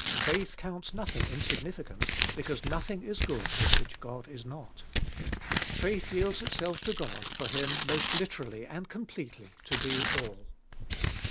Faith counts nothing insignificant, because nothing is good in which God is not. Faith yields itself to God for Him most literally and completely to be All. 4.